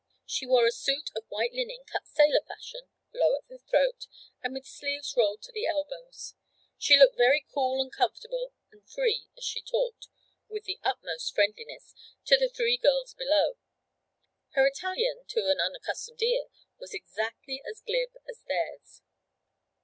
She wore a suit of white linen cut sailor fashion, low at the throat and with sleeves rolled to the elbows. She looked very cool and comfortable and free as she talked, with the utmost friendliness, to the three girls below. Her Italian, to an unaccustomed ear, was exactly as glib as theirs.